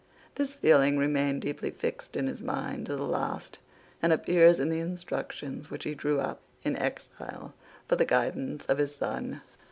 This feeling remained deeply fixed in his mind to the last, and appears in the instructions which he drew up, in exile, for the guidance of his son.